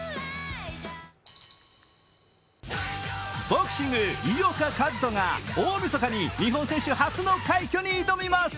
ボクシング、井岡一翔が大みそかに日本選手初の快挙に挑みます。